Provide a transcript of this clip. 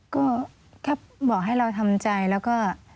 ก็แค่บอกให้เราทำใจแล้วก็